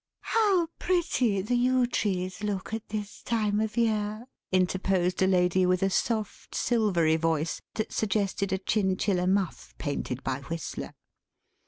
"How pretty the yew trees look at this time of year," interposed a lady with a soft, silvery voice that suggested a chinchilla muff painted by Whistler.